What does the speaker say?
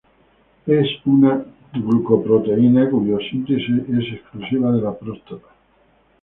Es una glucoproteína cuya síntesis es exclusiva de la próstata.